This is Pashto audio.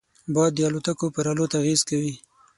باد د الوتکو پر الوت اغېز کوي